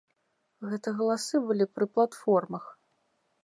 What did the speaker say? Гэта галасы былі пры платформах.